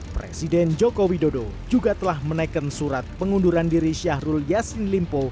presiden joko widodo juga telah menaikkan surat pengunduran diri syahrul yassin limpo